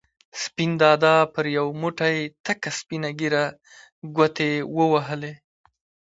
سپین دادا پر یو موټی تکه سپینه ږېره ګوتې ووهلې.